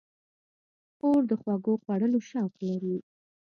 خور د خوږو خوړلو شوق لري.